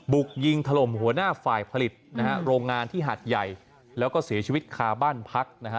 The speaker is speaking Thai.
บุกยิงถล่มหัวหน้าฝ่ายผลิตนะฮะโรงงานที่หัดใหญ่แล้วก็เสียชีวิตคาบ้านพักนะฮะ